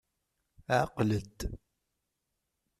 Ɛqel-d.